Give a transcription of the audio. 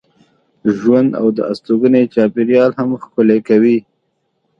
ژوند او د استوګنې چاپېریال هم ښکلی کوي.